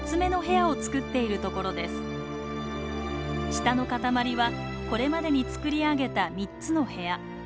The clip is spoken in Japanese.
下の塊はこれまでに作り上げた３つの部屋。